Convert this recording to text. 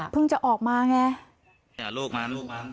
เพิ่งจะออกมาไงลูกมาลูกมา